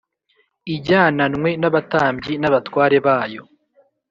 ijyananwe n abatambyi n abatware bayo